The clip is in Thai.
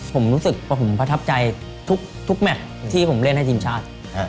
ผมรู้สึกว่าผมประทับใจทุกแมทที่ผมเล่นให้ทีมชาติ